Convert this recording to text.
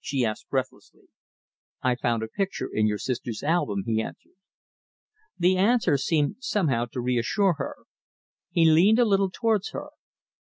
she asked breathlessly. "I found a picture in your sister's album," he answered. The answer seemed somehow to reassure her. She leaned a little towards him.